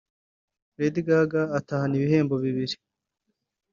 Lady Gaga atahana ibihembo bibiri